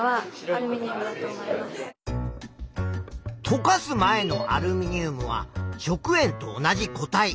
とかす前のアルミニウムは食塩と同じ固体。